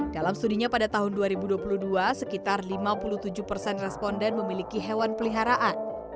dalam studinya pada tahun dua ribu dua puluh dua sekitar lima puluh tujuh persen responden memiliki hewan peliharaan